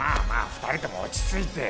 ２人とも落ち着いて。